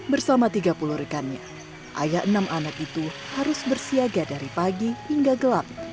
bersama tiga puluh rekannya ayah enam anak itu harus bersiaga dari pagi hingga gelap